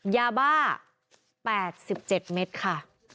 ยาบ้า๘๗เมตรค่ะ